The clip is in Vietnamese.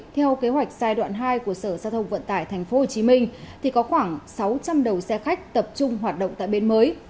theo kế hoạch giai đoạn hai của sở giao thông vận tải tp hcm thì có khoảng sáu trăm linh đầu xe khách tập trung hoạt động tại bến mới